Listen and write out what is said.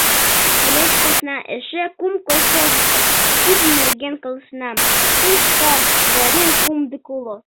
Тылеч посна эше кум колхозышто тидын нерген каласенам — туштат Зорин кумдык уло.